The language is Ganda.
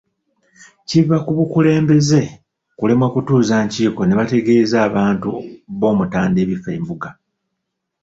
Kiva ku bakulembeze kulemwa kutuuza nkiiko ne bategeeza abantu b'Omutanda ebifa Embuga.